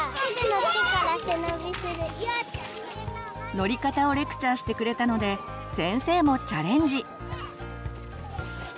乗り方をレクチャーしてくれたので先生もチャレンジ。